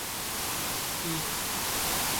پی!